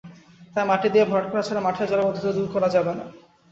তাই মাটি দিয়ে ভরাট করা ছাড়া মাঠের জলাবদ্ধতা দূর করা যাবে না।